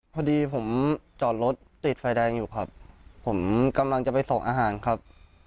พอดีผมจอดรถติดไฟแดงอยู่ครับผมกำลังจะไปส่งอาหารครับ